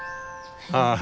ああ。